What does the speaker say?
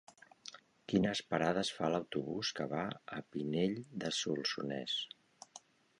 Quines parades fa l'autobús que va a Pinell de Solsonès?